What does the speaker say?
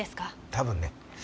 多分ね。